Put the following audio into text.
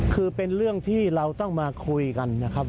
คือเป็นเรื่องที่เราต้องมาคุยกันนะครับ